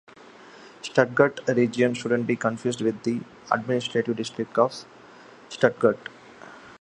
Stuttgart Region shouldn't be confused with the Administrative District of Stuttgart.